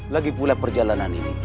lagi pula perjalanan ini